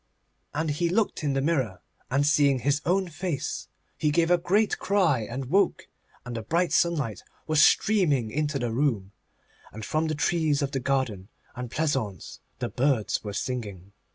And he looked in the mirror, and, seeing his own face, he gave a great cry and woke, and the bright sunlight was streaming into the room, and from the trees of the garden and pleasaunce the birds were singing.